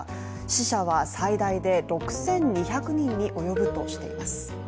死者は最大で６２００人に及ぶとしています。